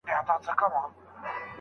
یو څه وخت یې په ځالۍ کي لویومه